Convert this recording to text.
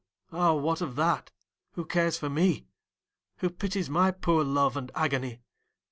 Ah, what of that, who cares for me? Who pities my poor love and agony?